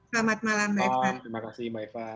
selamat malam mbak eva